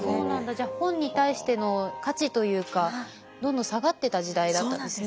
じゃあ本に対しての価値というかどんどん下がってた時代だったんですね